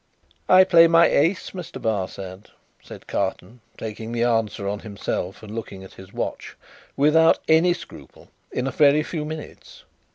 "I play my Ace, Mr. Barsad," said Carton, taking the answer on himself, and looking at his watch, "without any scruple, in a very few minutes."